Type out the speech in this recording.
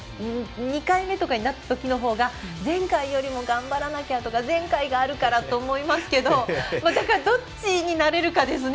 ２回目とかになったときのほうが前回よりも頑張らなきゃとか前回があるからって思いますけどどっちに、なれるかですね。